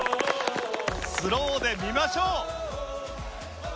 スローで見ましょう。